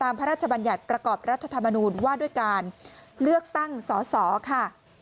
พระราชบัญญัติประกอบรัฐธรรมนูญว่าด้วยการเลือกตั้งสอสอค่ะ